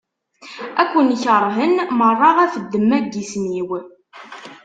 Ad ken-keṛhen meṛṛa ɣef ddemma n yisem-iw.